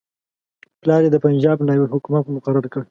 پلار یې د پنجاب نایب الحکومه مقرر کړ.